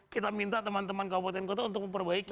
kita minta teman teman kabupaten kota untuk memperbaiki